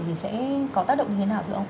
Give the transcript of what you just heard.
thì sẽ có tác động như thế nào được không